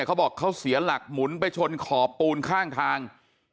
เขาบอกเขาเสียหลักหมุนไปชนขอบปูนข้างทาง